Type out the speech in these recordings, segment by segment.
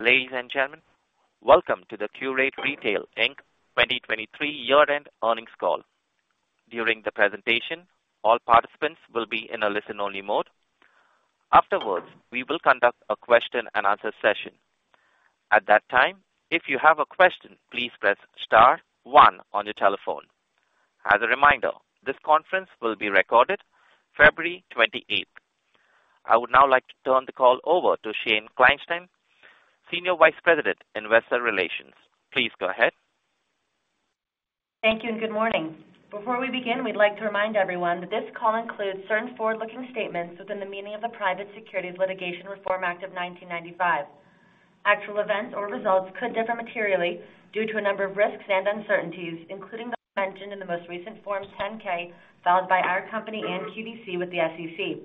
Ladies and gentlemen, welcome to the Qurate Retail Inc. 2023 year-end earnings call. During the presentation, all participants will be in a listen-only mode. Afterwards, we will conduct a question-and-answer session. At that time, if you have a question, please press star one on your telephone. As a reminder, this conference will be recorded. February 28th. I would now like to turn the call over to Shane Kleinstein, Senior Vice President, Investor Relations. Please go ahead. Thank you and good morning. Before we begin we'd like to remind everyone that this call includes certain forward-looking statements within the meaning of the Private Securities Litigation Reform Act of 1995. Actual events or results could differ materially due to a number of risks and uncertainties including those mentioned in the most recent Form 10-K filed by our company and QVC with the SEC.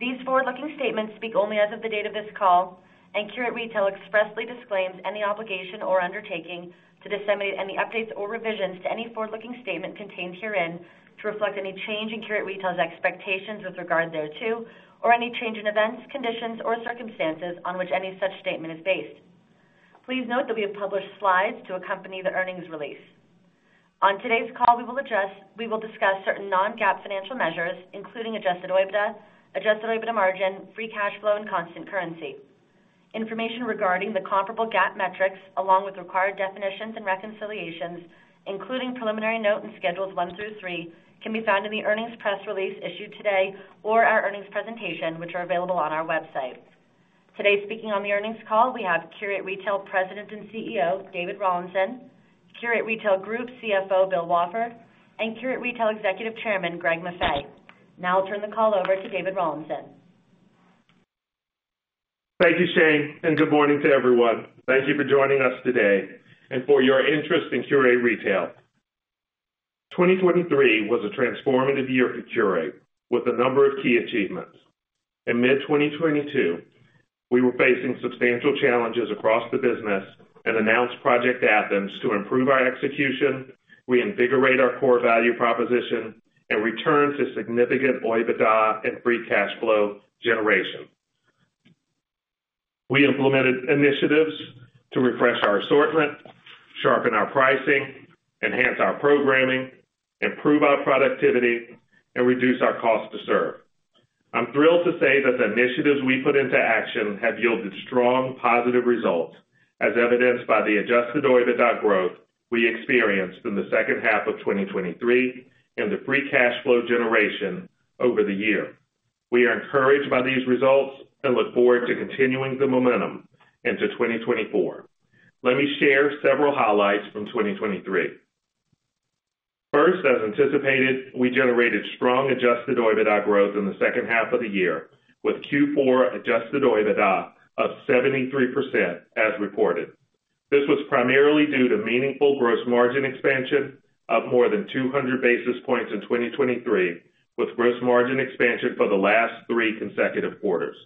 These forward-looking statements speak only as of the date of this call and Qurate Retail expressly disclaims any obligation or undertaking to disseminate any updates or revisions to any forward-looking statement contained herein to reflect any change in Qurate Retail's expectations with regard thereto or any change in events, conditions, or circumstances on which any such statement is based. Please note that we have published slides to accompany the earnings release. On today's call, we will discuss certain non-GAAP financial measures including adjusted OIBDA, adjusted OIBDA margin, free cash flow, and constant currency. Information regarding the comparable GAAP metrics along with required definitions and reconciliations, including preliminary note and schedules one through three, can be found in the earnings press release issued today or our earnings presentation, which are available on our website. Today speaking on the earnings call we have QVC Group President and CEO David Rawlinson, QVC Group CFO Bill Wafford, and QVC Group Executive Chairman Greg Maffei. Now I'll turn the call over to David Rawlinson. Thank you Shane and good morning to everyone. Thank you for joining us today and for your interest in Qurate Retail. 2023 was a transformative year for Qurate with a number of key achievements. In mid-2022 we were facing substantial challenges across the business and announced Project Athens to improve our execution, reinvigorate our core value proposition, and return to significant OIBDA and free cash flow generation. We implemented initiatives to refresh our assortment, sharpen our pricing, enhance our programming, improve our productivity, and reduce our cost to serve. I'm thrilled to say that the initiatives we put into action have yielded strong positive results as evidenced by the adjusted OIBDA growth we experienced in the second half of 2023 and the free cash flow generation over the year. We are encouraged by these results and look forward to continuing the momentum into 2024. Let me share several highlights from 2023. First, as anticipated, we generated strong adjusted OIBDA growth in the second half of the year with Q4 adjusted OIBDA of 73% as reported. This was primarily due to meaningful gross margin expansion of more than 200 basis points in 2023 with gross margin expansion for the last 3 consecutive quarters.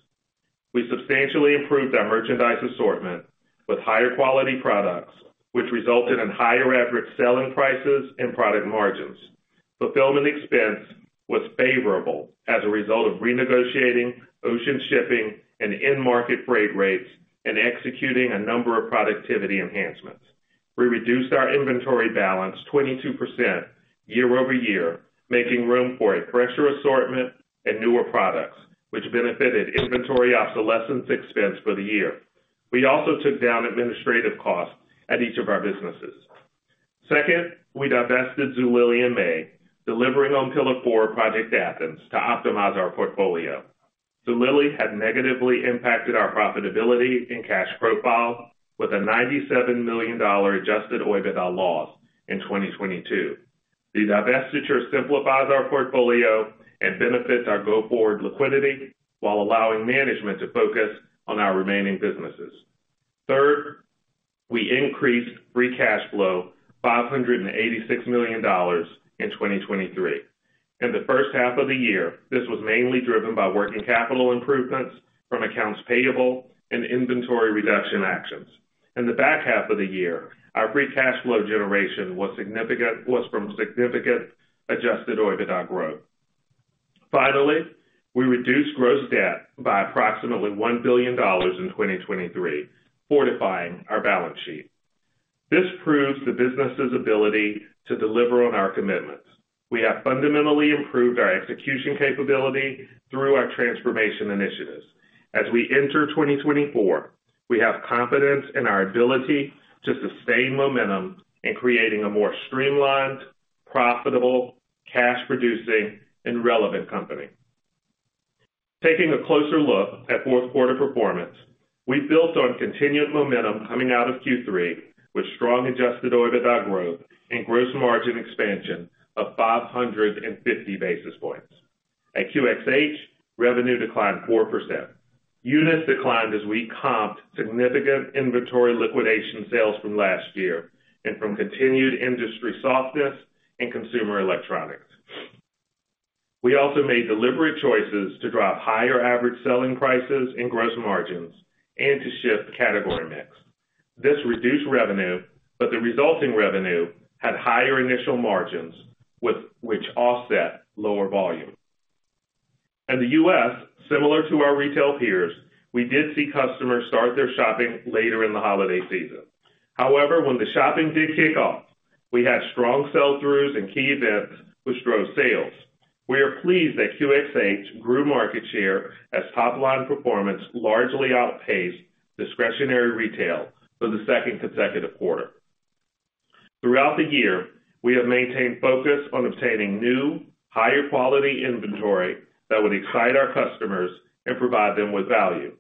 We substantially improved our merchandise assortment with higher quality products which resulted in higher average selling prices and product margins. Fulfillment expense was favorable as a result of renegotiating ocean shipping and in-market freight rates and executing a number of productivity enhancements. We reduced our inventory balance 22% year-over-year making room for a fresher assortment and newer products which benefited inventory obsolescence expense for the year. We also took down administrative costs at each of our businesses. Second, we divested Zulily in May delivering on pillar four Project Athens to optimize our portfolio. Zulily had negatively impacted our profitability and cash profile with a $97 million adjusted OIBDA loss in 2022. The divestiture simplifies our portfolio and benefits our go-forward liquidity while allowing management to focus on our remaining businesses. Third, we increased free cash flow $586 million in 2023. In the first half of the year this was mainly driven by working capital improvements from accounts payable and inventory reduction actions. In the back half of the year our free cash flow generation was significant from significant adjusted OIBDA growth. Finally, we reduced gross debt by approximately $1 billion in 2023 fortifying our balance sheet. This proves the business's ability to deliver on our commitments. We have fundamentally improved our execution capability through our transformation initiatives. As we enter 2024, we have confidence in our ability to sustain momentum in creating a more streamlined, profitable, cash-producing, and relevant company. Taking a closer look at fourth quarter performance, we built on continued momentum coming out of Q3 with strong Adjusted OIBDA growth and gross margin expansion of 550 basis points. At QXH, revenue declined 4%. Units declined as we comped significant inventory liquidation sales from last year and from continued industry softness in consumer electronics. We also made deliberate choices to drive higher average selling prices and gross margins and to shift category mix. This reduced revenue but the resulting revenue had higher initial margins with which offset lower volumes. In the U.S., similar to our retail peers, we did see customers start their shopping later in the holiday season. However, when the shopping did kick off, we had strong sell-throughs and key events which drove sales. We are pleased that QXH grew market share as top-line performance largely outpaced discretionary retail for the second consecutive quarter. Throughout the year we have maintained focus on obtaining new higher quality inventory that would excite our customers and provide them with value.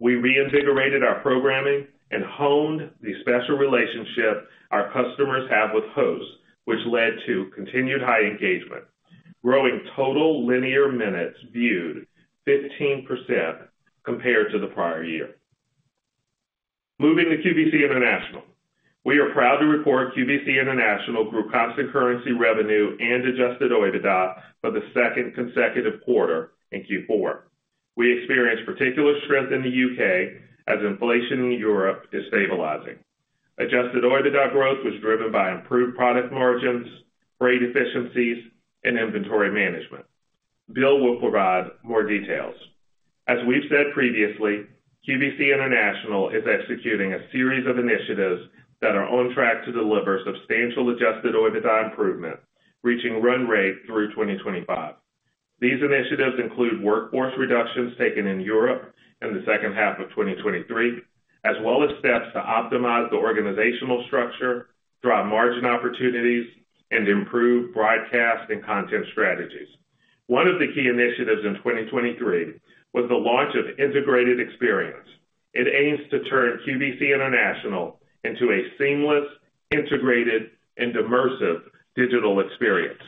We reinvigorated our programming and honed the special relationship our customers have with HSN, which led to continued high engagement growing total linear minutes viewed 15% compared to the prior year. Moving to QVC International. We are proud to report QVC International grew constant currency revenue and adjusted OIBDA for the second consecutive quarter in Q4. We experienced particular strength in the U.K. as inflation in Europe is stabilizing. Adjusted OIBDA growth was driven by improved product margins, freight efficiencies, and inventory management. Bill will provide more details. As we've said previously, QVC International is executing a series of initiatives that are on track to deliver substantial Adjusted OIBDA improvement reaching run rate through 2025. These initiatives include workforce reductions taken in Europe in the second half of 2023 as well as steps to optimize the organizational structure, drive margin opportunities, and improve broadcast and content strategies. One of the key initiatives in 2023 was the launch of Integrated Experience. It aims to turn QVC International into a seamless, integrated, and immersive digital experience.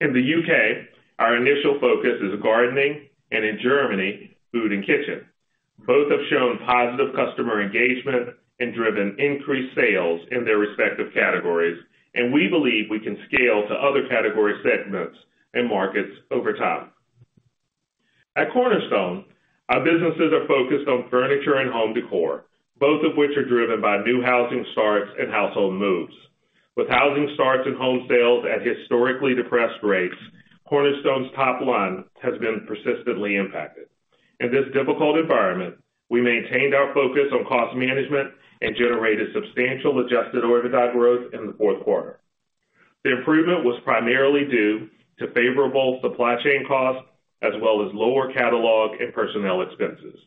In the U.K., our initial focus is gardening and in Germany food and kitchen. Both have shown positive customer engagement and driven increased sales in their respective categories, and we believe we can scale to other category segments and markets over time. At Cornerstone, our businesses are focused on furniture and home décor, both of which are driven by new housing starts and household moves. With housing starts and home sales at historically depressed rates, Cornerstone's top-line has been persistently impacted. In this difficult environment, we maintained our focus on cost management and generated substantial Adjusted OIBDA growth in the fourth quarter. The improvement was primarily due to favorable supply chain costs, as well as lower catalog and personnel expenses.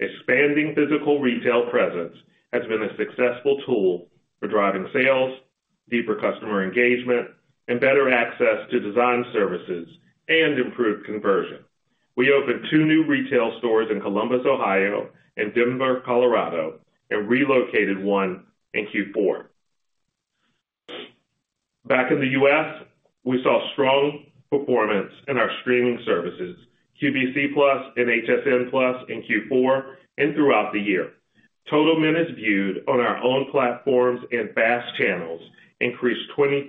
Expanding physical retail presence has been a successful tool for driving sales, deeper customer engagement, and better access to design services and improved conversion. We opened two new retail stores in Columbus, Ohio, and Denver, Colorado, and relocated one in Q4. Back in the U.S., we saw strong performance in our streaming services QVC+ and HSN+ in Q4 and throughout the year. Total minutes viewed on our own platforms and fast channels increased 23%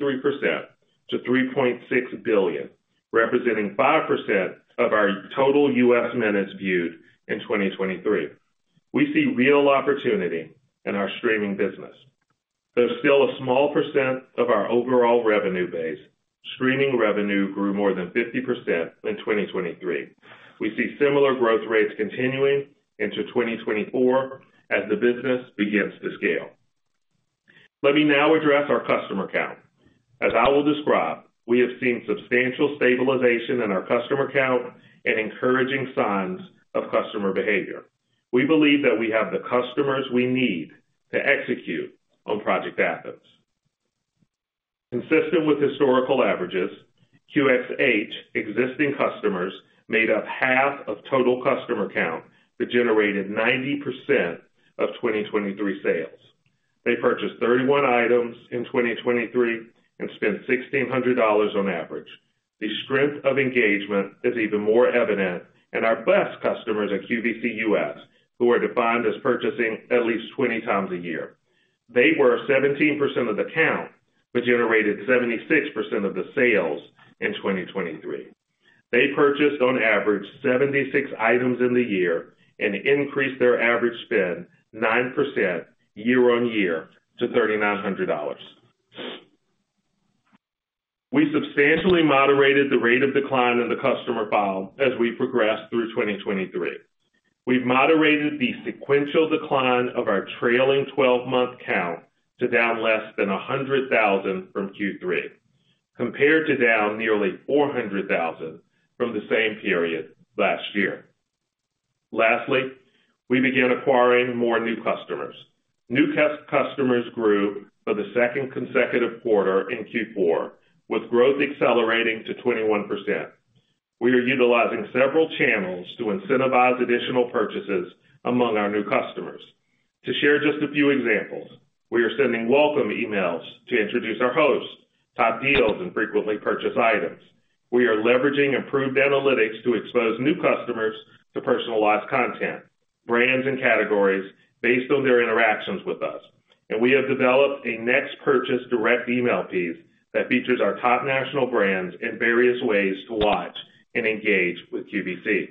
to 3.6 billion representing 5% of our total U.S. minutes viewed in 2023. We see real opportunity in our streaming business. There's still a small percent of our overall revenue base. Streaming revenue grew more than 50% in 2023. We see similar growth rates continuing into 2024 as the business begins to scale. Let me now address our customer count. As I will describe we have seen substantial stabilization in our customer count and encouraging signs of customer behavior. We believe that we have the customers we need to execute on Project Athens. Consistent with historical averages QXH existing customers made up half of total customer count that generated 90% of 2023 sales. They purchased 31 items in 2023 and spent $1,600 on average. The strength of engagement is even more evident in our best customers at QVC U.S. who are defined as purchasing at least 20 times a year. They were 17% of the count but generated 76% of the sales in 2023. They purchased on average 76 items in the year and increased their average spend 9% year-on-year to $3,900. We substantially moderated the rate of decline in the customer file as we progressed through 2023. We've moderated the sequential decline of our trailing twelve-month count to down less than 100,000 from Q3 compared to down nearly 400,000 from the same period last year. Lastly we began acquiring more new customers. New customers grew for the second consecutive quarter in Q4 with growth accelerating to 21%. We are utilizing several channels to incentivize additional purchases among our new customers. To share just a few examples, we are sending welcome emails to introduce our hosts' top deals and frequently purchased items. We are leveraging improved analytics to expose new customers to personalized content, brands, and categories based on their interactions with us. We have developed a next purchase direct email piece that features our top national brands in various ways to watch and engage with QVC.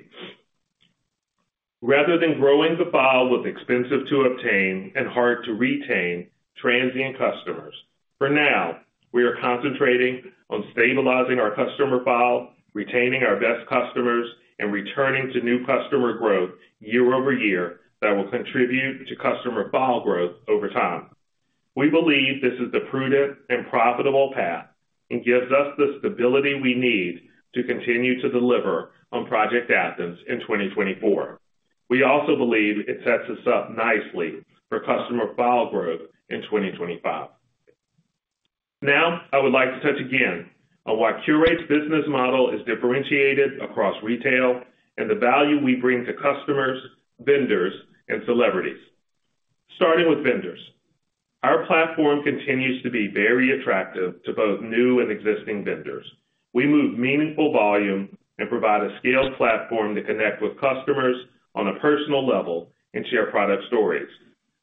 Rather than growing the file with expensive-to-obtain and hard-to-retain transient customers, for now we are concentrating on stabilizing our customer file, retaining our best customers, and returning to new customer growth year-over-year that will contribute to customer file growth over time. We believe this is the prudent and profitable path and gives us the stability we need to continue to deliver on Project Athens in 2024. We also believe it sets us up nicely for customer file growth in 2025. Now I would like to touch again on why Qurate's business model is differentiated across retail and the value we bring to customers, vendors, and celebrities. Starting with vendors. Our platform continues to be very attractive to both new and existing vendors. We move meaningful volume and provide a scaled platform to connect with customers on a personal level and share product stories.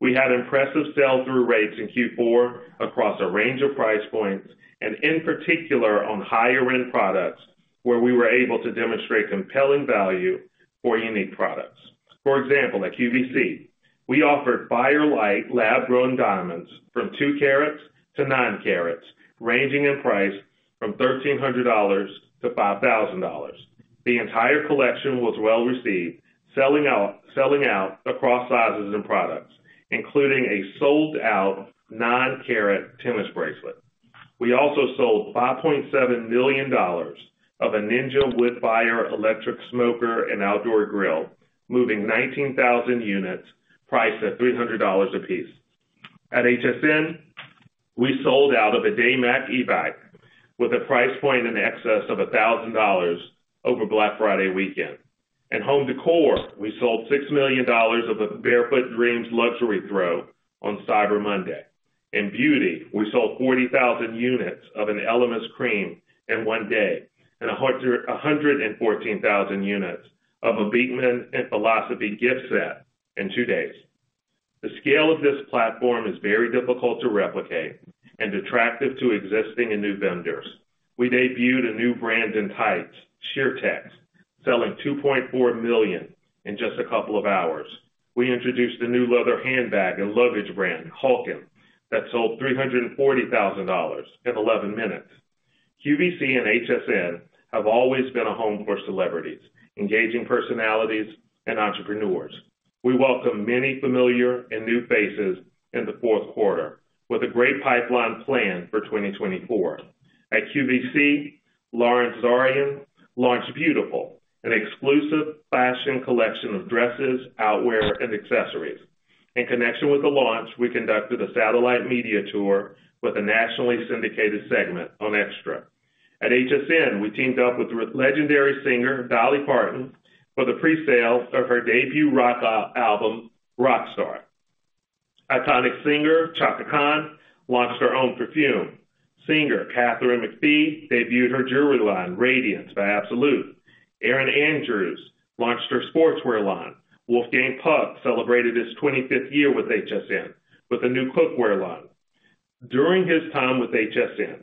We had impressive sell-through rates in Q4 across a range of price points and in particular on higher-end products where we were able to demonstrate compelling value for unique products. For example at QVC we offered Fire Light lab-grown diamonds from 2 carats to 9 carats ranging in price from $1,300 to $5,000. The entire collection was well received selling out across sizes and products including a sold-out 9-carat tennis bracelet. We also sold $5.7 million of a Ninja Woodfire electric smoker and outdoor grill moving 19,000 units priced at $300 a piece. At HSN we sold out of a Daymak e-bike with a price point in excess of $1,000 over Black Friday weekend. In home decor we sold $6 million of a Barefoot Dreams luxury throw on Cyber Monday. In beauty we sold 40,000 units of an Elemis cream in one day and 114,000 units of a Beekman and Philosophy gift set in two days. The scale of this platform is very difficult to replicate and attractive to existing and new vendors. We debuted a new brand in tights Sheertex selling $2.4 million in just a couple of hours. We introduced the new leather handbag and luggage brand Hulken that sold $340,000 in 11 minutes. QVC and HSN have always been a home for celebrities, engaging personalities and entrepreneurs. We welcome many familiar and new faces in the fourth quarter with a great pipeline planned for 2024. At QVC Lawrence Zarian launched Beautiful, an exclusive fashion collection of dresses, outerwear and accessories. In connection with the launch we conducted a satellite media tour with a nationally syndicated segment on Extra. At HSN we teamed up with the legendary singer Dolly Parton for the presale of her debut rock album Rockstar. Iconic singer Chaka Khan launched her own perfume. Singer Katharine McPhee debuted her jewelry line Radiance by Absolute. Erin Andrews launched her sportswear line. Wolfgang Puck celebrated his 25th year with HSN with a new cookware line. During his time with HSN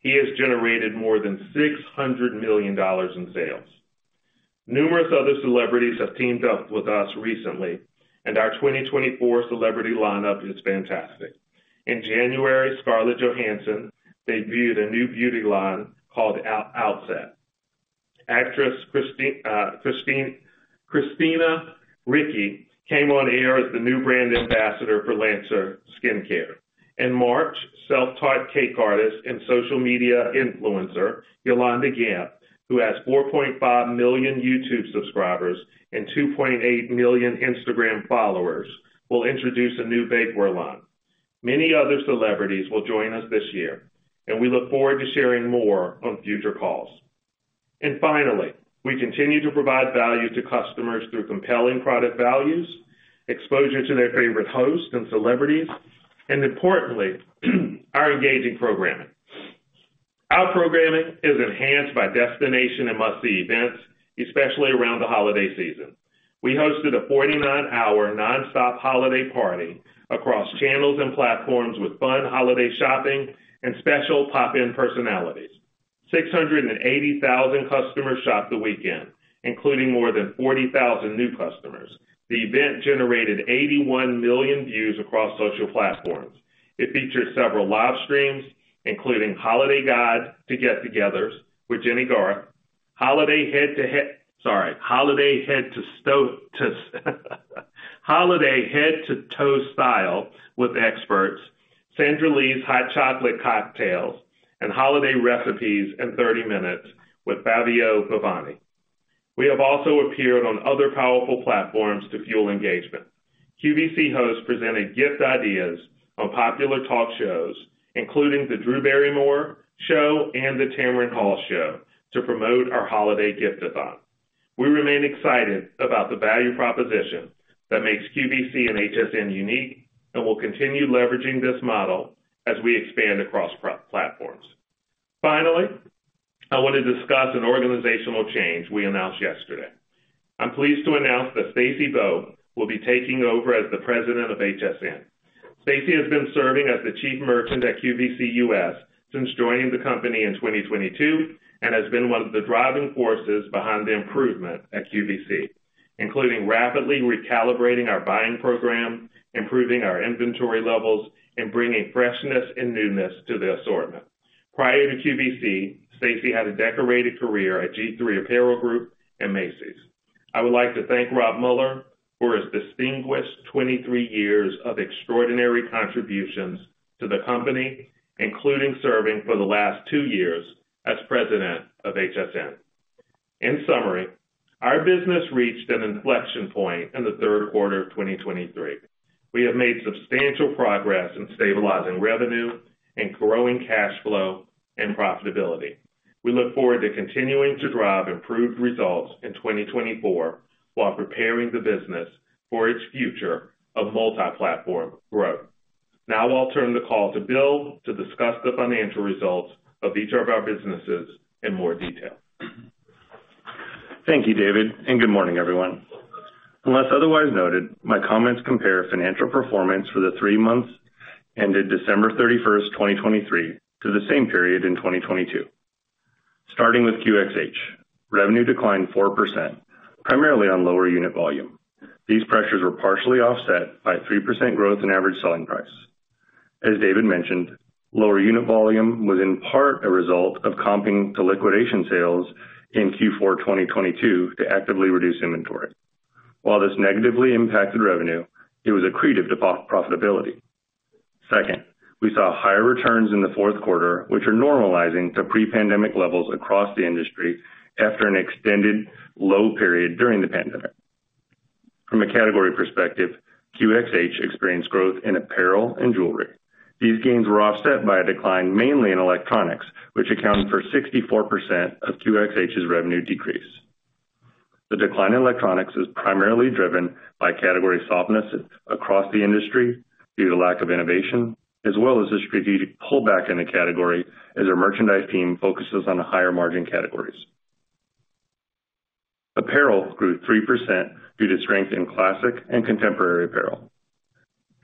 he has generated more than $600 million in sales. Numerous other celebrities have teamed up with us recently and our 2024 celebrity lineup is fantastic. In January Scarlett Johansson debuted a new beauty line called Outset. Actress Christina Ricci came on air as the new brand ambassador for Lancer skincare. In March self-taught cake artist and social media influencer Yolanda Gampp who has 4.5 million YouTube subscribers and 2.8 million Instagram followers will introduce a new bakeware line. Many other celebrities will join us this year and we look forward to sharing more on future calls. And finally we continue to provide value to customers through compelling product values exposure to their favorite hosts and celebrities and importantly our engaging programming. Our programming is enhanced by destination and must-see events especially around the holiday season. We hosted a 49-hour nonstop holiday party across channels and platforms with fun holiday shopping and special pop-in personalities. 680,000 customers shopped the weekend including more than 40,000 new customers. The event generated 81 million views across social platforms. It featured several live streams including Holiday Guide to Get Togethers with Jennie Garth Holiday Head to Head sorry Holiday Head to Sto to Holiday Head-to-Toe Style with experts Sandra Lee's Hot Chocolate Cocktails and Holiday Recipes in Thirty Minutes with Fabio Viviani. We have also appeared on other powerful platforms to fuel engagement. QVC hosts presented gift ideas on popular talk shows including the Drew Barrymore Show and the Tamron Hall Show to promote our holiday giftathon. We remain excited about the value proposition that makes QVC and HSN unique and will continue leveraging this model as we expand across pro platforms. Finally, I want to discuss an organizational change we announced yesterday. I'm pleased to announce that Stacy Bowe will be taking over as the President of HSN. Stacy Bowe has been serving as the Chief Merchant at QVC U.S. since joining the company in 2022 and has been one of the driving forces behind the improvement at QVC, including rapidly recalibrating our buying program, improving our inventory levels, and bringing freshness and newness to the assortment. Prior to QVC, Stacy Bowe had a decorated career at G-III Apparel Group and Macy's. I would like to thank Rob Muller for his distinguished 23 years of extraordinary contributions to the company including serving for the last 2 years as president of HSN. In summary our business reached an inflection point in the third quarter of 2023. We have made substantial progress in stabilizing revenue and growing cash flow and profitability. We look forward to continuing to drive improved results in 2024 while preparing the business for its future of multi-platform growth. Now I'll turn the call to Bill to discuss the financial results of each of our businesses in more detail. Thank you, David, and good morning, everyone. Unless otherwise noted, my comments compare financial performance for the three months ended December 31, 2023, to the same period in 2022. Starting with QXH, revenue declined 4% primarily on lower unit volume. These pressures were partially offset by 3% growth in average selling price. As David mentioned, lower unit volume was in part a result of comping to liquidation sales in Q4 2022 to actively reduce inventory. While this negatively impacted revenue, it was accretive to profitability. Second, we saw higher returns in the fourth quarter, which are normalizing to pre-pandemic levels across the industry after an extended low period during the pandemic. From a category perspective, QXH experienced growth in apparel and jewelry. These gains were offset by a decline mainly in electronics, which accounted for 64% of QXH's revenue decrease. The decline in electronics is primarily driven by category softness across the industry due to lack of innovation as well as a strategic pullback in the category as our merchandise team focuses on higher margin categories. Apparel grew 3% due to strength in classic and contemporary apparel.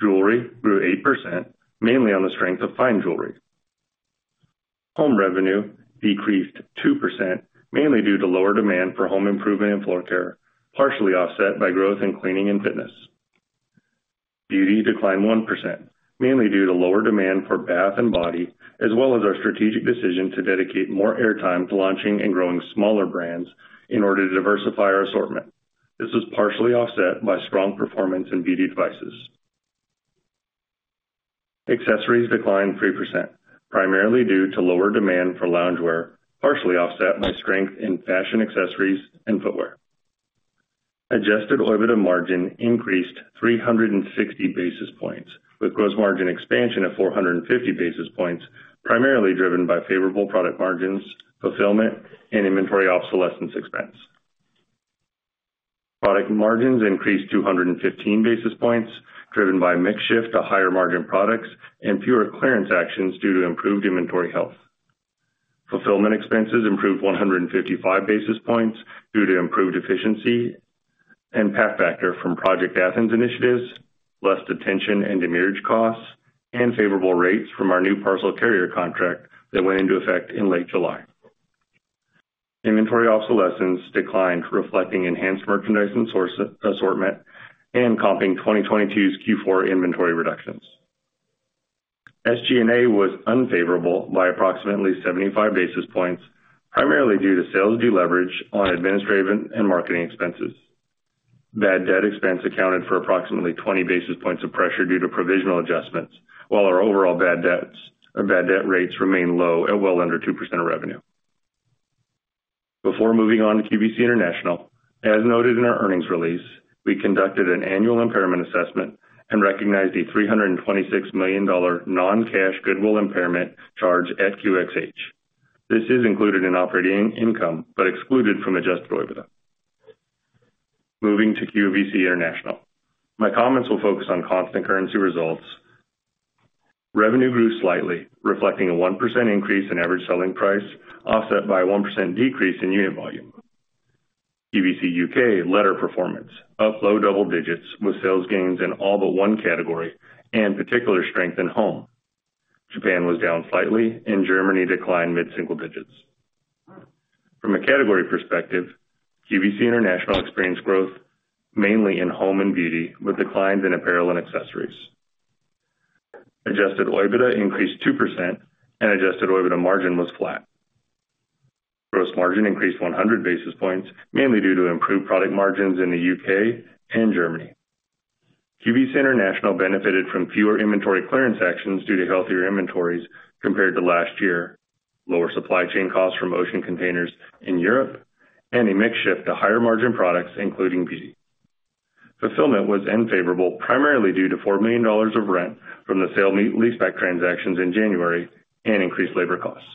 Jewelry grew 8% mainly on the strength of fine jewelry. Home revenue decreased 2% mainly due to lower demand for home improvement and floor care partially offset by growth in cleaning and fitness. Beauty declined 1% mainly due to lower demand for bath and body as well as our strategic decision to dedicate more airtime to launching and growing smaller brands in order to diversify our assortment. This was partially offset by strong performance in beauty devices. Accessories declined 3% primarily due to lower demand for loungewear partially offset by strength in fashion accessories and footwear. Adjusted OIBDA margin increased 360 basis points with gross margin expansion of 450 basis points primarily driven by favorable product margins fulfillment and inventory obsolescence expense. Product margins increased 215 basis points driven by mix shift to higher margin products and fewer clearance actions due to improved inventory health. Fulfillment expenses improved 155 basis points due to improved efficiency and pack factor from Project Athens initiatives less detention and demurrage costs and favorable rates from our new parcel carrier contract that went into effect in late July. Inventory obsolescence declined reflecting enhanced merchandise and source assortment and comping 2022's Q4 inventory reductions. SG&A was unfavorable by approximately 75 basis points primarily due to sales deleverage on administrative and marketing expenses. Bad debt expense accounted for approximately 20 basis points of pressure due to provisional adjustments while our overall bad debts or bad debt rates remain low at well under 2% of revenue. Before moving on to QVC International, as noted in our earnings release, we conducted an annual impairment assessment and recognized a $326 million non-cash goodwill impairment charge at QXH. This is included in operating income but excluded from adjusted OIBDA. Moving to QVC International. My comments will focus on constant currency results. Revenue grew slightly, reflecting a 1% increase in average selling price offset by a 1% decrease in unit volume. QVC U.K. latter performance up low double digits with sales gains in all but one category and particular strength in home. Japan was down slightly and Germany declined mid-single digits. From a category perspective, QVC International experienced growth mainly in home and beauty with declines in apparel and accessories. Adjusted OIBDA increased 2% and adjusted OIBDA margin was flat. Gross margin increased 100 basis points mainly due to improved product margins in the UK and Germany. QVC International benefited from fewer inventory clearance actions due to healthier inventories compared to last year, lower supply chain costs from ocean containers in Europe, and a mix shift to higher margin products including beauty. Fulfillment was unfavorable primarily due to $4 million of rent from the sale-leaseback transactions in January and increased labor costs.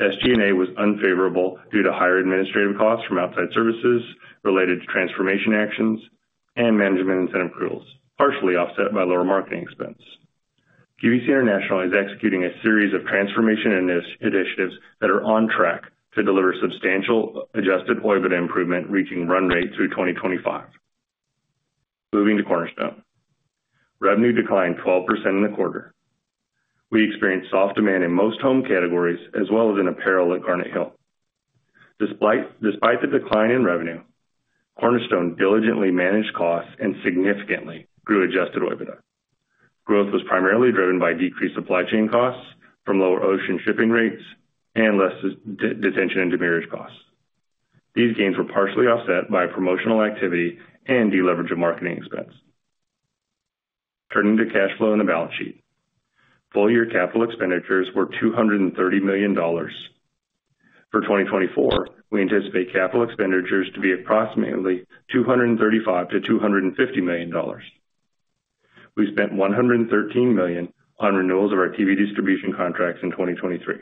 SG&A was unfavorable due to higher administrative costs from outside services related to transformation actions and management incentive accruals partially offset by lower marketing expense. QVC International is executing a series of transformation initiatives that are on track to deliver substantial adjusted OIBDA improvement reaching run rate through 2025. Moving to Cornerstone. Revenue declined 12% in the quarter. We experienced soft demand in most home categories as well as in apparel at Garnet Hill. Despite the decline in revenue Cornerstone diligently managed costs and significantly grew adjusted OIBDA. Growth was primarily driven by decreased supply chain costs from lower ocean shipping rates and less detention and demurrage costs. These gains were partially offset by promotional activity and due leverage of marketing expense. Turning to cash flow in the balance sheet. Full year capital expenditures were $230 million. For 2024 we anticipate capital expenditures to be approximately $235 million-$250 million. We spent $113 million on renewals of our TV distribution contracts in 2023.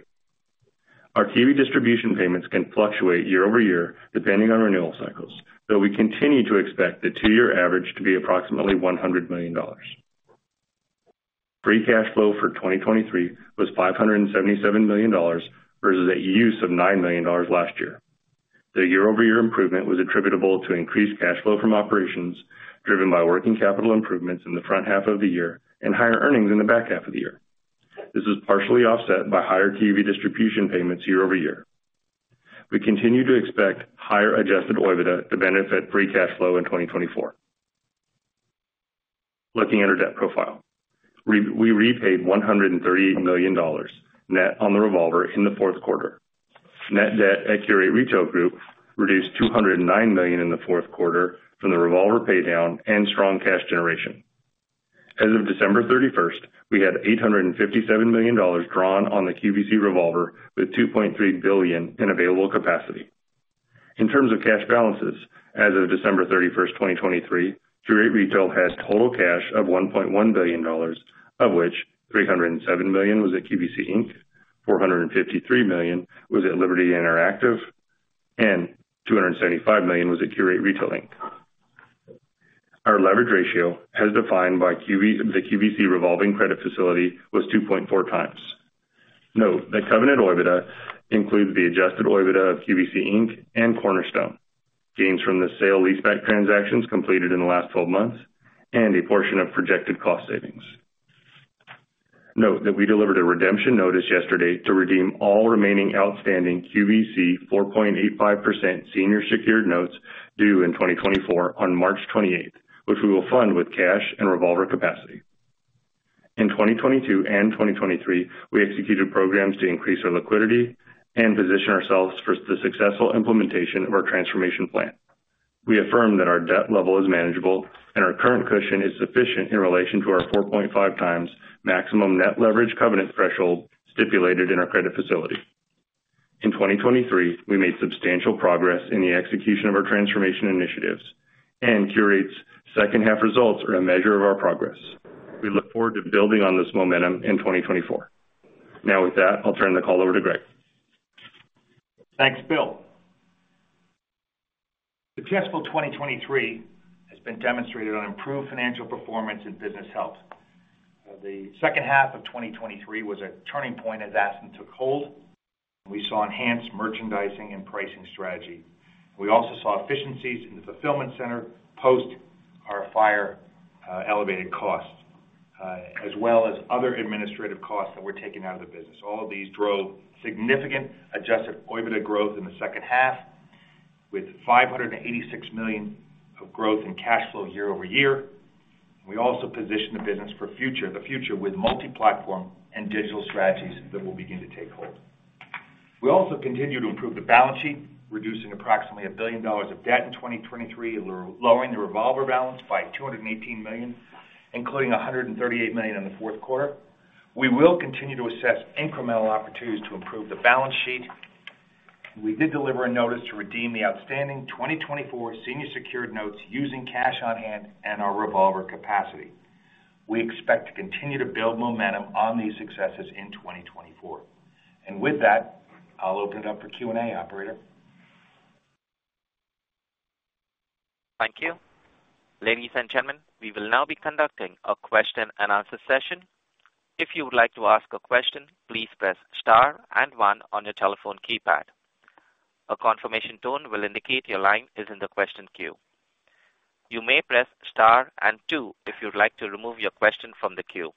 Our TV distribution payments can fluctuate year-over-year depending on renewal cycles though we continue to expect the two-year average to be approximately $100 million. Free cash flow for 2023 was $577 million versus a use of $9 million last year. The year-over-year improvement was attributable to increased cash flow from operations driven by working capital improvements in the front half of the year and higher earnings in the back half of the year. This was partially offset by higher TV distribution payments year-over-year. We continue to expect higher adjusted OIBDA to benefit free cash flow in 2024. Looking at our debt profile. We repaid $138 million net on the revolver in the fourth quarter. Net debt at Qurate Retail Group reduced $209 million in the fourth quarter from the revolver paydown and strong cash generation. As of December 31, we had $857 million drawn on the QVC revolver with $2.3 billion in available capacity. In terms of cash balances as of December 31, 2023, Qurate Retail had total cash of $1.1 billion, of which $307 million was at QVC Inc., $453 million was at Liberty Interactive, and $275 million was at Qurate Retail Inc. Our leverage ratio as defined by the QVC revolving credit facility was 2.4 times. Note that covenant OIBDA includes the adjusted OIBDA of QVC Inc. and Cornerstone. Gains from the sale-leaseback transactions completed in the last 12 months and a portion of projected cost savings. Note that we delivered a redemption notice yesterday to redeem all remaining outstanding QVC 4.85% senior secured notes due in 2024 on March 28th which we will fund with cash and revolver capacity. In 2022 and 2023 we executed programs to increase our liquidity and position ourselves for the successful implementation of our transformation plan. We affirm that our debt level is manageable and our current cushion is sufficient in relation to our 4.5 times maximum net leverage covenant threshold stipulated in our credit facility. In 2023 we made substantial progress in the execution of our transformation initiatives and Qurate's second half results are a measure of our progress. We look forward to building on this momentum in 2024. Now with that, I'll turn the call over to Greg. Thanks Bill. Successful 2023 has been demonstrated on improved financial performance and business health. The second half of 2023 was a turning point as Athens took hold and we saw enhanced merchandising and pricing strategy. We also saw efficiencies in the fulfillment center post our fire, elevated costs as well as other administrative costs that were taken out of the business. All of these drove significant Adjusted OIBDA growth in the second half with $586 million of growth in cash flow year-over-year. We also positioned the business for the future with multi-platform and digital strategies that will begin to take hold. We also continue to improve the balance sheet reducing approximately $1 billion of debt in 2023 lowering the revolver balance by $218 million including $138 million in the fourth quarter. We will continue to assess incremental opportunities to improve the balance sheet. We did deliver a notice to redeem the outstanding 2024 senior secured notes using cash on hand and our revolver capacity. We expect to continue to build momentum on these successes in 2024. With that I'll open it up for Q&A, operator. Thank you. Ladies and gentlemen, we will now be conducting a question and answer session. If you would like to ask a question, please press star and one on your telephone keypad. A confirmation tone will indicate your line is in the question queue. You may press star and two if you would like to remove your question from the queue.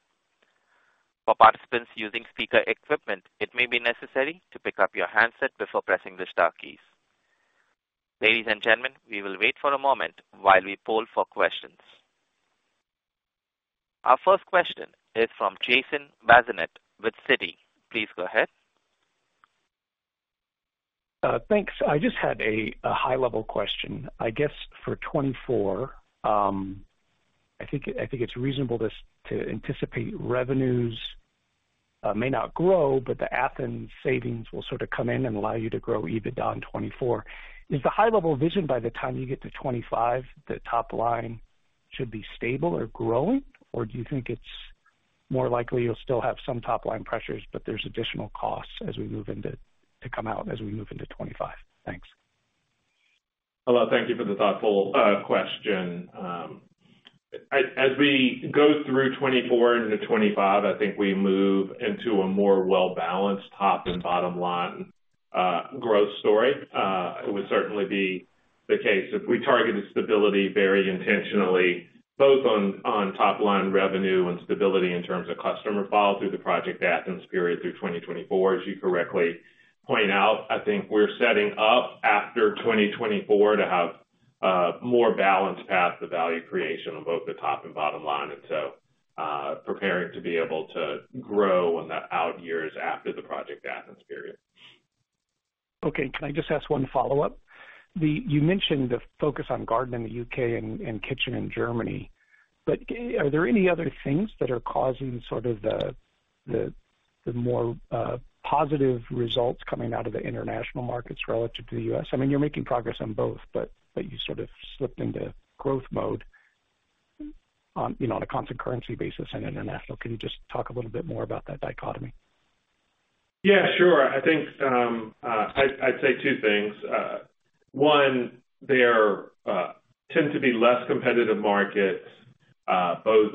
For participants using speaker equipment, it may be necessary to pick up your handset before pressing the star keys. Ladies and gentlemen, we will wait for a moment while we poll for questions. Our first question is from Jason Bazinet with Citi. Please go ahead. Thanks. I just had a high-level question. I guess for 2024 I think it's reasonable to anticipate revenues may not grow but the Athens savings will sort of come in and allow you to grow even on 2024. Is the high-level vision by the time you get to 2025 the top line should be stable or growing or do you think it's more likely you'll still have some top line pressures but there's additional costs as we move into to come out as we move into 2025? Thanks. Hello, thank you for the thoughtful question. As we go through 2024 into 2025, I think we move into a more well-balanced top- and bottom-line growth story. It would certainly be the case if we targeted stability very intentionally both on top-line revenue and stability in terms of customer fall-through the Project Athens period through 2024, as you correctly point out. I think we're setting up after 2024 to have more balanced path to value creation on both the top and bottom line, and so preparing to be able to grow on the out years after the Project Athens period. Okay, can I just ask one follow-up? You mentioned the focus on garden in the UK and kitchen in Germany, but are there any other things that are causing sort of the more positive results coming out of the international markets relative to the U.S.? I mean, you're making progress on both, but you sort of slipped into growth mode on, you know, on a constant currency basis and international. Can you just talk a little bit more about that dichotomy? Yeah, sure. I think I'd say two things. One, there tend to be less competitive markets both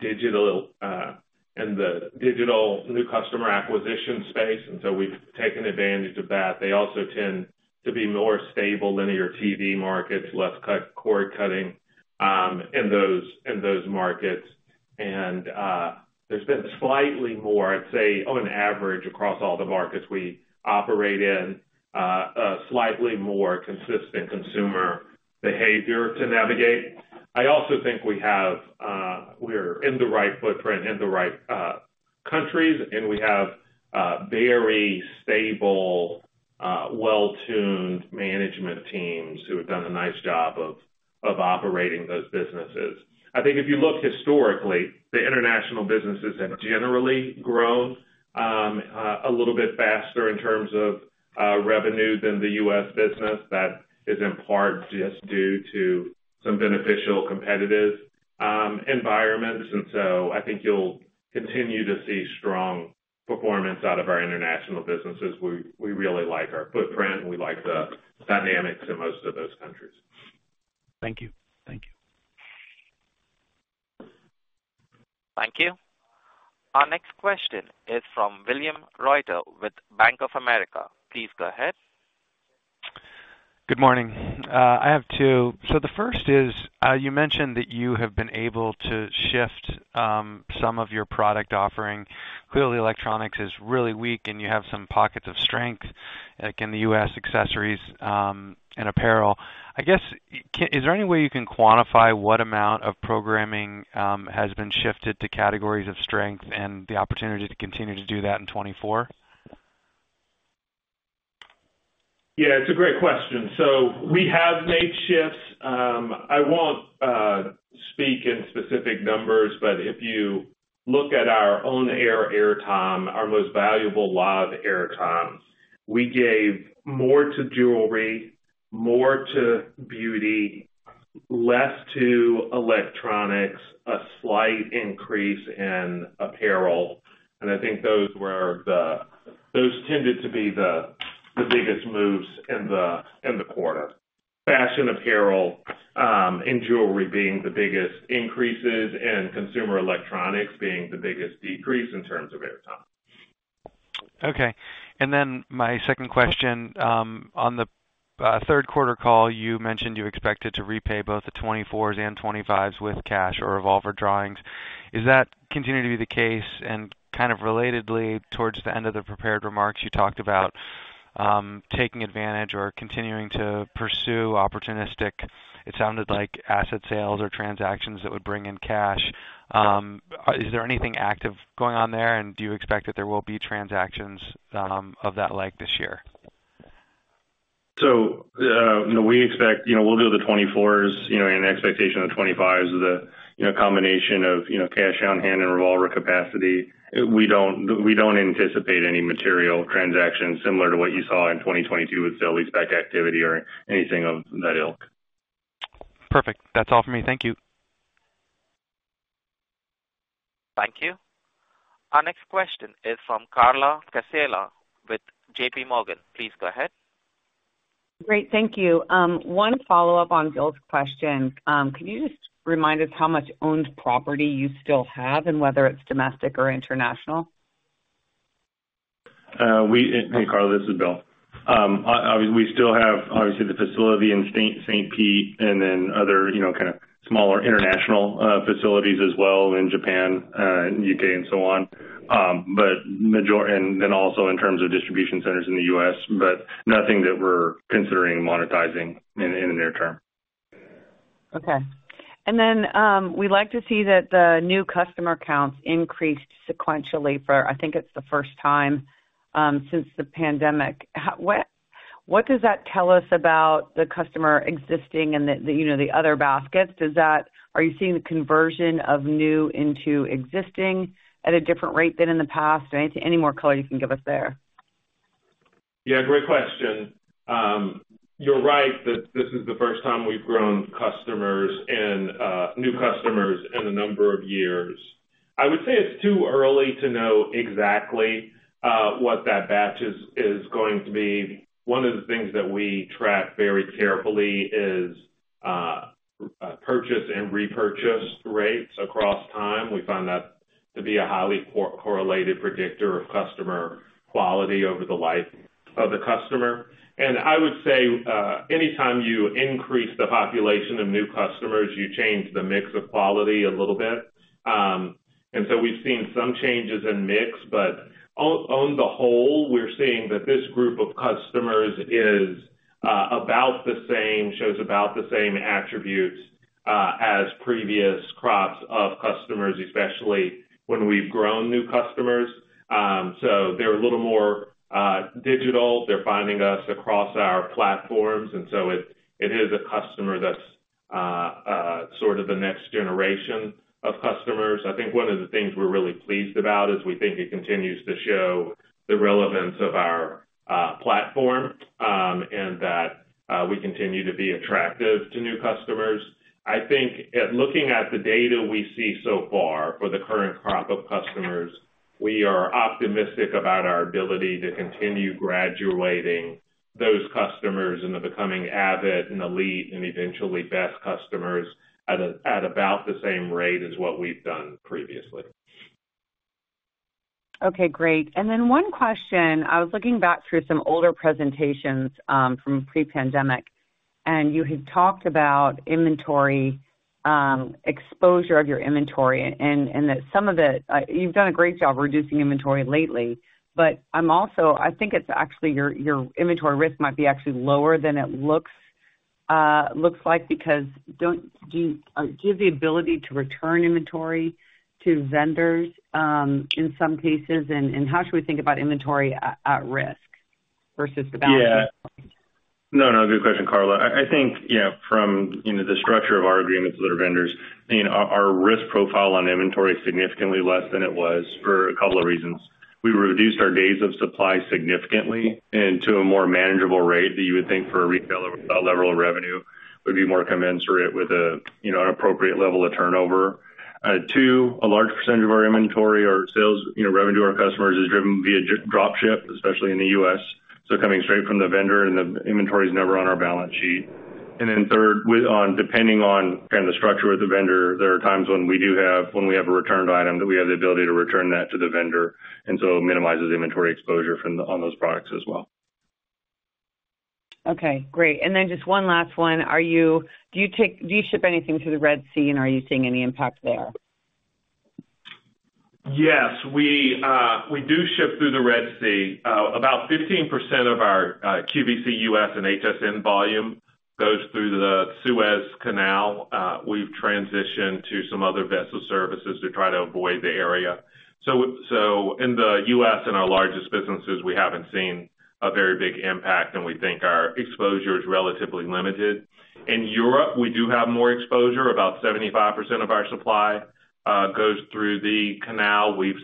digital and the digital new customer acquisition space, and so we've taken advantage of that. They also tend to be more stable linear TV markets, less cord cutting in those markets, and there's been slightly more—I'd say on average across all the markets we operate in—slightly more consistent consumer behavior to navigate. I also think we have—we're in the right footprint in the right countries, and we have very stable, well-tuned management teams who have done a nice job of operating those businesses. I think if you look historically, the international businesses have generally grown a little bit faster in terms of revenue than the U.S. business. That is in part just due to some beneficial competitive environments and so I think you'll continue to see strong performance out of our international businesses. We really like our footprint and we like the dynamics in most of those countries. Thank you. Thank you. Thank you. Our next question is from William Reuter with Bank of America. Please go ahead. Good morning. I have two. So the first is you mentioned that you have been able to shift some of your product offering. Clearly electronics is really weak and you have some pockets of strength like in the U.S. accessories and apparel. I guess is there any way you can quantify what amount of programming has been shifted to categories of strength and the opportunity to continue to do that in 2024? Yeah, it's a great question. So we have made shifts. I won't speak in specific numbers, but if you look at our own airtime, our most valuable live airtime, we gave more to jewelry, more to beauty, less to electronics, a slight increase in apparel. And I think those were the... those tended to be the biggest moves in the quarter. Fashion, apparel, and jewelry being the biggest increases and consumer electronics being the biggest decrease in terms of airtime. Okay. And then my second question. On the third quarter call you mentioned you expected to repay both the 2024s and 2025s with cash or revolver drawings. Is that continuing to be the case and kind of relatedly towards the end of the prepared remarks you talked about taking advantage or continuing to pursue opportunistic it sounded like asset sales or transactions that would bring in cash. Is there anything active going on there and do you expect that there will be transactions of that like this year? So you know we expect you know we'll do the 2024s you know in expectation of the 2025s the combination of cash on hand and revolver capacity. We don't anticipate any material transactions similar to what you saw in 2022 with sale-leaseback activity or anything of that ilk. Perfect. That's all for me. Thank you. Thank you. Our next question is from Carla Casella with JP Morgan. Please go ahead. Great, thank you. One follow up on Bill's question. Can you just remind us how much owned property you still have and whether it's domestic or international? Hey, Carla, this is Bill. Obviously, we still have the facility in St. Pete and then other kind of smaller international facilities as well in Japan and the U.K. and so on but major and then also in terms of distribution centers in the U.S. but nothing that we're considering monetizing in the near term. Okay. And then we'd like to see that the new customer counts increased sequentially for I think it's the first time since the pandemic. What does that tell us about the customer existing and the other baskets? Does that are you seeing the conversion of new into existing at a different rate than in the past? Anything more color you can give us there? Yeah, great question. You're right that this is the first time we've grown customers and new customers in a number of years. I would say it's too early to know exactly what that batch is going to be. One of the things that we track very carefully is purchase and repurchase rates across time. We find that to be a highly correlated predictor of customer quality over the life of the customer. And I would say any time you increase the population of new customers you change the mix of quality a little bit. And so we've seen some changes in mix but on the whole we're seeing that this group of customers is about the same shows about the same attributes as previous crops of customers especially when we've grown new customers. So they're a little more digital. They're finding us across our platforms, and so it is a customer that's sort of the next generation of customers. I think one of the things we're really pleased about is we think it continues to show the relevance of our platform and that we continue to be attractive to new customers. I think, at looking at the data we see so far for the current crop of customers, we are optimistic about our ability to continue graduating those customers into becoming avid and elite and eventually best customers at about the same rate as what we've done previously. Okay, great. One question. I was looking back through some older presentations from pre-pandemic and you had talked about inventory exposure of your inventory and that some of it you've done a great job reducing inventory lately but I'm also, I think it's actually your inventory risk might be actually lower than it looks like because do you have the ability to return inventory to vendors in some cases and how should we think about inventory at risk versus the balance sheet? No, no, good question, Carla. I think from the structure of our agreements with our vendors, I mean, our risk profile on inventory is significantly less than it was for a couple of reasons. We reduced our days of supply significantly and to a more manageable rate that you would think for a retailer without level of revenue would be more commensurate with an appropriate level of turnover. Two, a large percentage of our inventory or sales revenue our customers is driven via dropship, especially in the U.S. So coming straight from the vendor and the inventory is never on our balance sheet. And then third, depending on kind of the structure with the vendor, there are times when we do have a returned item that we have the ability to return that to the vendor and so minimizes inventory exposure from on those products as well. Okay, great. And then just one last one. Do you ship anything through the Red Sea, and are you seeing any impact there? Yes, we do ship through the Red Sea. About 15% of our QVC U.S. and HSN volume goes through the Suez Canal. We've transitioned to some other vessel services to try to avoid the area. So, in the U.S. and our largest businesses, we haven't seen a very big impact, and we think our exposure is relatively limited. In Europe, we do have more exposure. About 75% of our supply goes through the canal. We've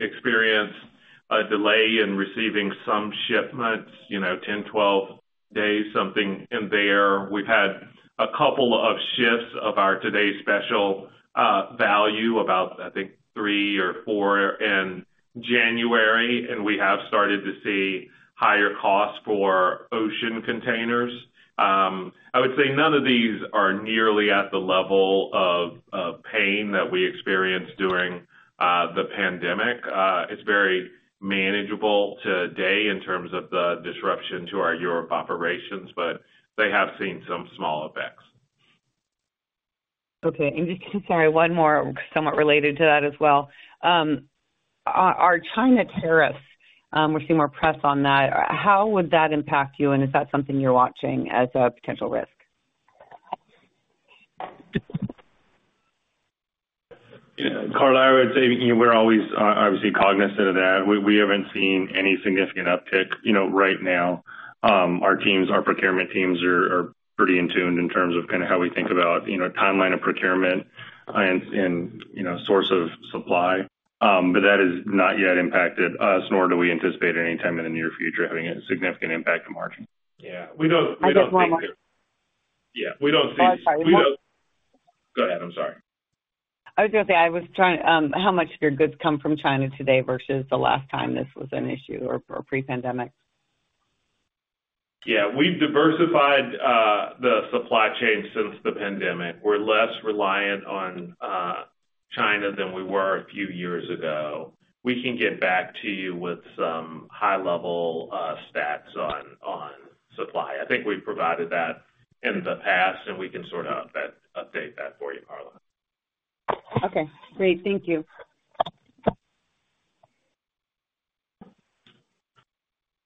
experienced a delay in receiving some shipments, 10-12 days, something in there. We've had a couple of shifts of our Today's Special Value, about, I think, 3 or 4 in January, and we have started to see higher costs for ocean containers. I would say none of these are nearly at the level of pain that we experienced during the pandemic. It's very manageable today in terms of the disruption to our Europe operations but they have seen some small effects. Okay, and just sorry, one more somewhat related to that as well. Are China tariffs we're seeing more press on that? How would that impact you, and is that something you're watching as a potential risk? Carla, I would say we're always obviously cognizant of that. We haven't seen any significant uptick right now. Our teams, our procurement teams are pretty in tune in terms of kind of how we think about timeline of procurement and source of supply but that is not yet impacted us nor do we anticipate anytime in the near future having a significant impact to margin. Yeah we don't. I guess one more. Yeah, we don't see. I'm sorry. We don't. Go ahead, I'm sorry. I was going to say, I was trying to how much of your goods come from China today versus the last time this was an issue or pre-pandemic? Yeah, we've diversified the supply chain since the pandemic. We're less reliant on China than we were a few years ago. We can get back to you with some high-level stats on supply. I think we've provided that in the past, and we can sort of update that for you, Carla. Okay, great. Thank you.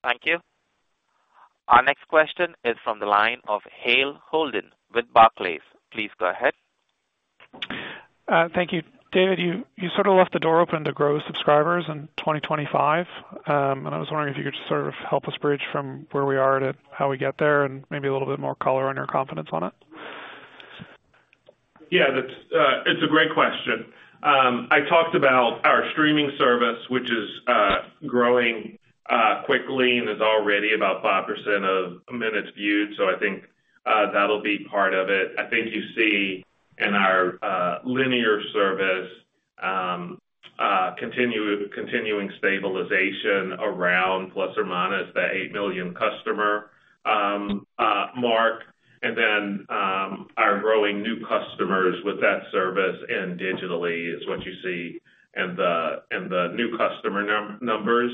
Thank you. Our next question is from the line of Hale Holden with Barclays. Please go ahead. Thank you, David. You sort of left the door open to grow subscribers in 2025 and I was wondering if you could sort of help us bridge from where we are to how we get there and maybe a little bit more color on your confidence on it. Yeah, it's a great question. I talked about our streaming service which is growing quickly and is already about 5% of a minute viewed, so I think that'll be part of it. I think you see in our linear service continuing stabilization around ± that 8 million customer mark and then our growing new customers with that service and digitally is what you see in the new customer numbers.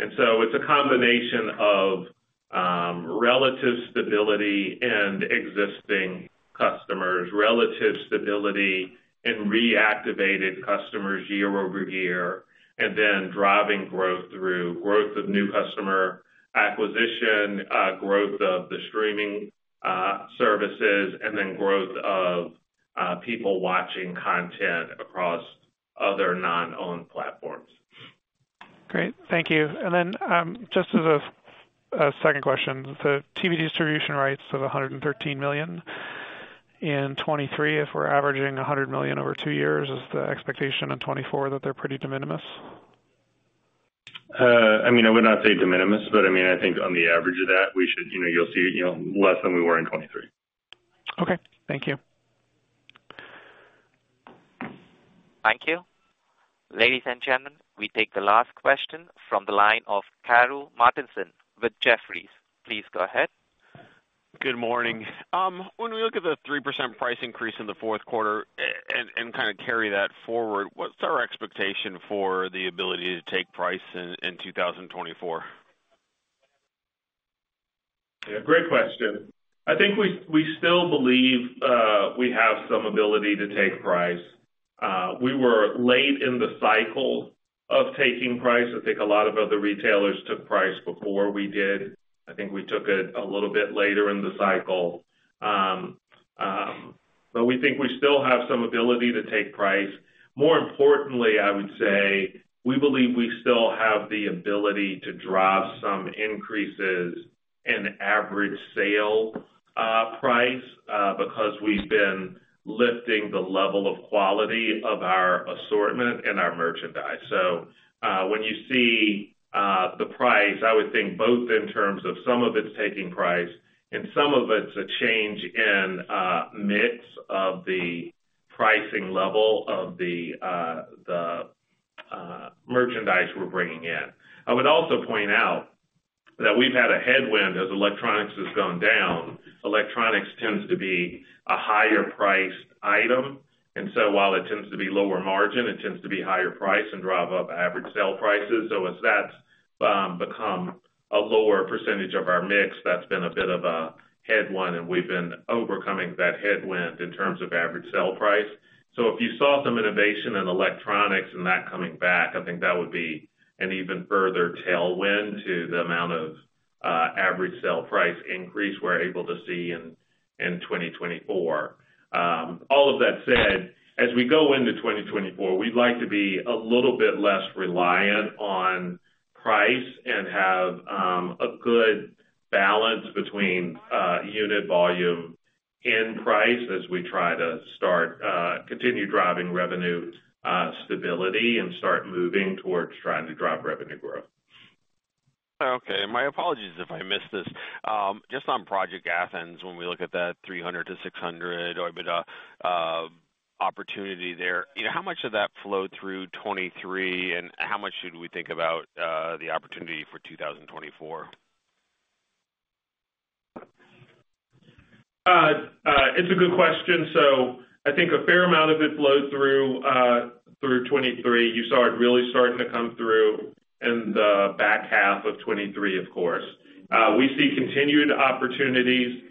And so it's a combination of relative stability and existing customers relative stability and reactivated customers year-over-year and then driving growth through growth of new customer acquisition growth of the streaming services and then growth of people watching content across other non-owned platforms. Great. Thank you. And then just as a second question, the TV distribution rights of $113 million in 2023 if we're averaging $100 million over two years is the expectation in 2024 that they're pretty de minimis? I mean, I would not say de minimis, but I mean, I think on the average of that we should—you'll see less than we were in 2023. Okay, thank you. Thank you ladies and gentlemen. We take the last question from the line of Karru Martinson with Jefferies. Please go ahead. Good morning. When we look at the 3% price increase in the fourth quarter and kind of carry that forward, what's our expectation for the ability to take price in 2024? Yeah great question. I think we still believe we have some ability to take price. We were late in the cycle of taking price. I think a lot of other retailers took price before we did. I think we took it a little bit later in the cycle but we think we still have some ability to take price. More importantly I would say we believe we still have the ability to drive some increases in average sale price because we've been lifting the level of quality of our assortment and our merchandise. So when you see the price I would think both in terms of some of it's taking price and some of it's a change in mix of the pricing level of the merchandise we're bringing in. I would also point out that we've had a headwind as electronics has gone down. Electronics tends to be a higher priced item, and so while it tends to be lower margin, it tends to be higher price and drive up average sale prices. So as that's become a lower percentage of our mix, that's been a bit of a headwind, and we've been overcoming that headwind in terms of average sale price. So if you saw some innovation in electronics and that coming back, I think that would be an even further tailwind to the amount of average sale price increase we're able to see in 2024. All of that said, as we go into 2024, we'd like to be a little bit less reliant on price and have a good balance between unit volume and price as we try to start continue driving revenue stability and start moving towards trying to drive revenue growth. Okay, my apologies if I missed this. Just on Project Athens, when we look at that 300-600 or a bit of opportunity there, how much of that flowed through 2023 and how much should we think about the opportunity for 2024? It's a good question. So I think a fair amount of it flowed through 2023. You saw it really starting to come through in the back half of 2023 of course. We see continued opportunities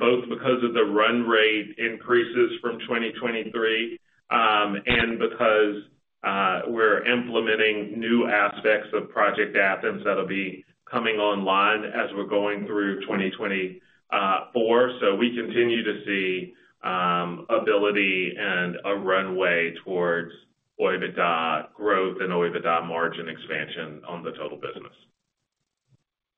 both because of the run rate increases from 2023 and because we're implementing new aspects of Project Athens that'll be coming online as we're going through 2024. So we continue to see ability and a runway towards OIBDA growth and OIBDA margin expansion on the total business.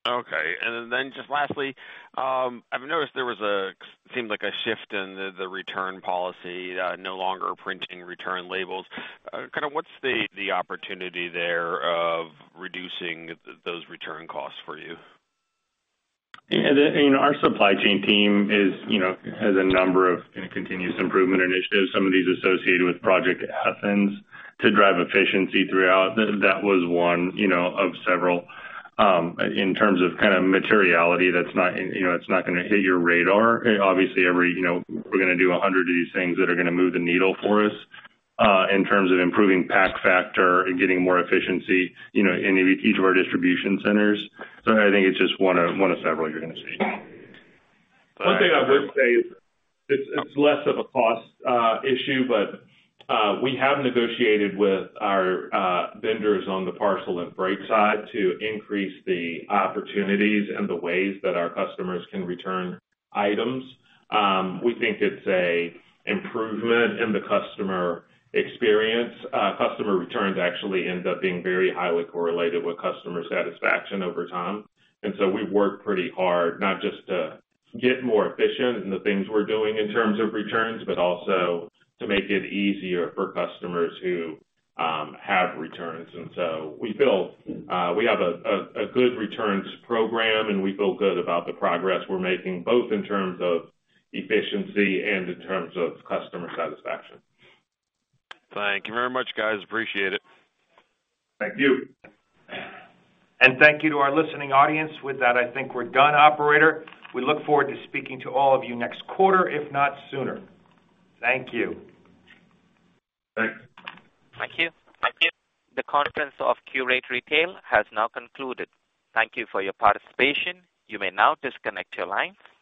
Okay. And then, just lastly, I've noticed there was a seemed like a shift in the return policy. No longer printing return labels. Kind of, what's the opportunity there of reducing those return costs for you? Our supply chain team has a number of continuous improvement initiatives. Some of these associated with Project Athens to drive efficiency throughout. That was one of several in terms of kind of materiality that's not, it's not going to hit your radar. Obviously, we're going to do 100 of these things that are going to move the needle for us in terms of improving pack factor and getting more efficiency in each of our distribution centers. So I think it's just one of several you're going to see. One thing I would say is it's less of a cost issue but we have negotiated with our vendors on the parcel and break side to increase the opportunities and the ways that our customers can return items. We think it's an improvement in the customer experience. Customer returns actually end up being very highly correlated with customer satisfaction over time. And so we've worked pretty hard not just to get more efficient in the things we're doing in terms of returns but also to make it easier for customers who have returns. And so we feel we have a good returns program and we feel good about the progress we're making both in terms of efficiency and in terms of customer satisfaction. Thank you very much guys. Appreciate it. Thank you. Thank you to our listening audience. With that, I think we're done, operator. We look forward to speaking to all of you next quarter if not sooner. Thank you. Thank you. Thank you. The conference of Qurate Retail has now concluded. Thank you for your participation. You may now disconnect your lines.